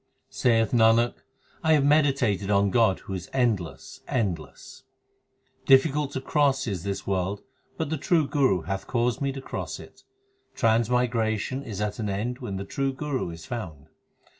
6 Saith Nanak, I have meditated on God who is endless, endless. Difficult to cross is this world, but the true Guru hath caused me to cross it. Transmigration is at an end when the true Guru is found.